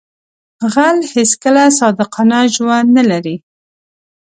غل هیڅکله صادقانه ژوند نه لري